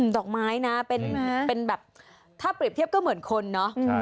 ดอกไม้นะเป็นแบบถ้าเปรียบเทียบก็เหมือนคนเนาะ